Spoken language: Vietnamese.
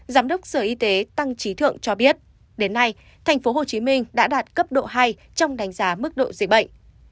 giám đốc sở y tế tăng trí thượng cho biết đến nay tp hcm đã đạt cấp độ hai trong đánh giá mức độ dịch bệnh